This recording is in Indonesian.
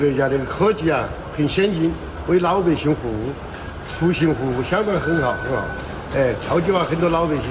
sangat banyak pengelolaan rakyat